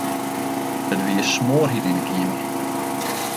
It wie smoarhjit yn 'e keamer.